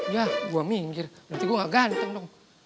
ya gue minggir nanti gue gak ganteng dong